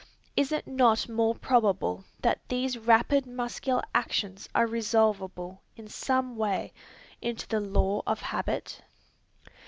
Is it not more probable that these rapid muscular actions are resolvable, in some way, into the law of habit?